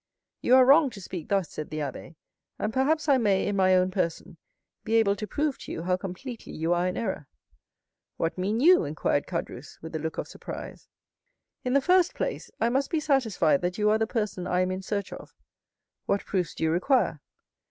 "You are wrong to speak thus," said the abbé; "and perhaps I may, in my own person, be able to prove to you how completely you are in error." "What mean you?" inquired Caderousse with a look of surprise. "In the first place, I must be satisfied that you are the person I am in search of." "What proofs do you require?"